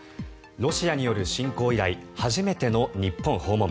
ロシアによる侵攻以来初めての日本訪問。